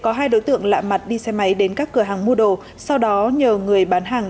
có hai đối tượng lạ mặt đi xe máy đến các cửa hàng mua đồ sau đó nhờ người bán hàng